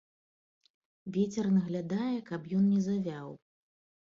Вецер наглядае, каб ён не завяў.